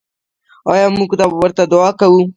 آیا موږ ورته دعا کوو؟